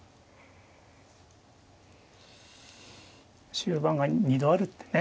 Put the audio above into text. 「終盤が二度ある」ってね。